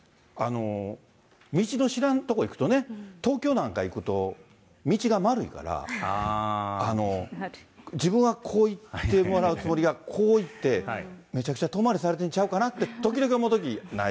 道の知らんとこ行くとね、東京なんか行くと、道が丸いから、自分はこう行ってもらうつもりが、こう行って、めちゃくちゃ遠回りされてるんじゃないかなって思うこと、時々思うときない？